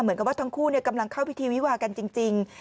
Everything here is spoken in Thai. เหมือนกับว่าทั้งคู่กำลังเข้าพิธีวิวากันจริง